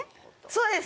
そうです。